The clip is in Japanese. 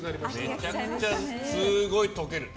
めちゃくちゃすごい溶ける。